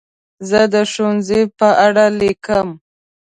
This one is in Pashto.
زه د ښوونځي په اړه لیکم.